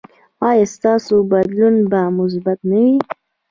ایا ستاسو بدلون به مثبت نه وي؟